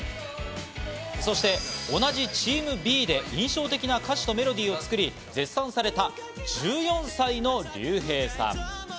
そして同じチームＢで印象的な歌詞とメロディーを作り絶賛された１４歳のリュウヘイさん。